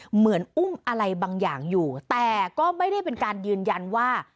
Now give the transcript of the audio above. เหมือนอุ้มอะไรบางอย่างอยู่แต่ก็ไม่ได้เป็นการยืนยันว่า